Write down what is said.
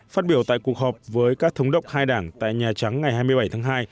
phát biểu tại cuộc họp với các thống đốc hai đảng tại nhà trắng ngày hai mươi bảy tháng hai